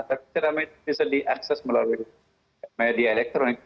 tapi cerama itu bisa diakses melalui media elektronik